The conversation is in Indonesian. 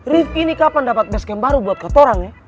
rif ini kapan dapat deskam baru buat katorangnya